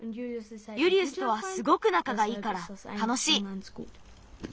ユリウスとはすごくなかがいいからたのしい。